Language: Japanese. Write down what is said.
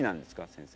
先生。